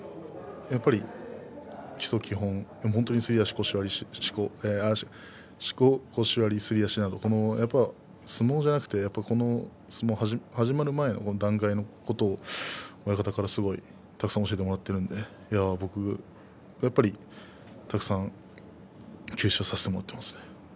基礎基本、本当にすり足しこ、腰割りなど、相撲じゃなくてこの相撲が始まる前の段階のことを親方から、すごいたくさん教えてもらっているのでたくさん吸収させてもらっています。